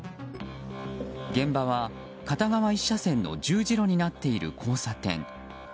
現場は、片側１車線の十字路になっている交差点。